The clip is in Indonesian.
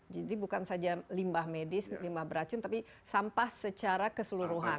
jadi bukan saja limbah medis limbah beracun tapi sampah secara keseluruhan